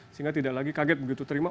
sehingga tidak lagi kaget begitu terima